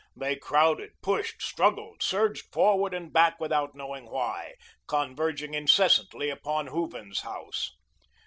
They crowded, pushed, struggled, surged forward and back without knowing why, converging incessantly upon Hooven's house.